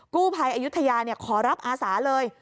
กู้ภัยอายุทยาขอรับอาสาเลย